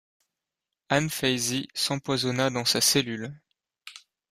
Han Fei Zi s'empoisonna dans sa cellule.